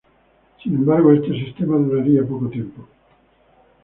Sin embargo, este sistema duraría poco tiempo.